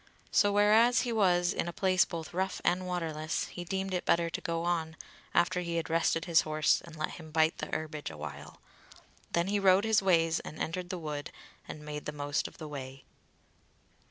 So whereas he was in a place both rough and waterless, he deemed it better to go on, after he had rested his horse and let him bite the herbage a while. Then he rode his ways, and entered the wood and made the most of the way.